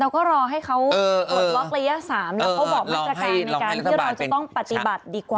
เราก็รอให้เขาปลดล็อกระยะ๓แล้วเขาบอกมาตรการในการที่เราจะต้องปฏิบัติดีกว่า